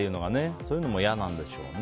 そういうのも嫌なんでしょうね。